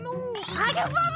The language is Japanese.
アルバム！？